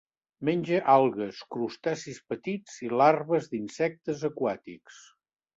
Menja algues, crustacis petits i larves d'insectes aquàtics.